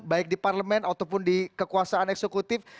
baik di parlemen ataupun di kekuasaan eksekutif